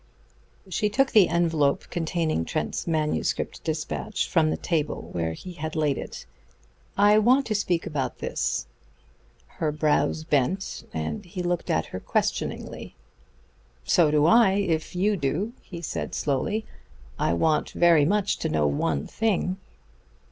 She took the envelop containing Trent's manuscript despatch from the table where he had laid it. "I want to speak about this." His brows bent, and he looked at her questioningly. "So do I, if you do," he said slowly. "I want very much to know one thing."